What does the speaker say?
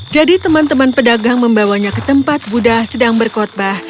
jadi teman teman pedagang membawanya ke tempat buddha sedang berkotbah